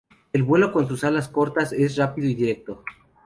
El vuelo con sus alas cortas es rápido y directo.